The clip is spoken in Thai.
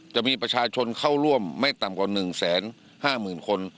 จะมีประชาชนเข้าร่วมไม่ต่ำกว่า๑๕๐๐๐คน